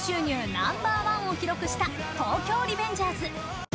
ナンバーワンを記録した「東京リベンジャーズ」